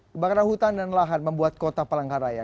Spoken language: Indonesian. kebakaran hutan dan lahan membuat kota palangkaraya